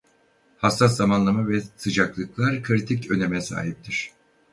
Hassas zamanlama ve sıcaklıklar kritik öneme sahiptir.